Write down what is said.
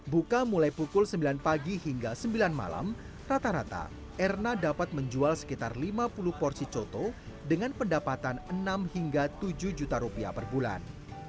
buka mulai pukul sembilan pagi hingga sembilan malam rata rata erna dapat menjual sekitar lima puluh porsi coto dengan pendapatan enam hingga tujuh juta rupiah per bulan